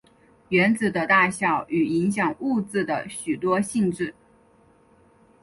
原子的大小与影响物质的许多性质。